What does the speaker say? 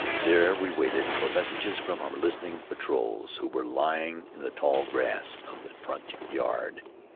There we waited for messages from our listening patrols, who were lying in the tall grass of "the front yard."